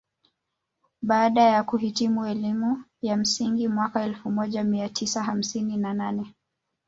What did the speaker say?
Baada ya kuhitimu elimu ya msingi mwaka elfu moja mia tisa hamsini na nane